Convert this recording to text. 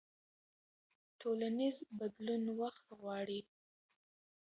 ټولنیز بدلون وخت غواړي.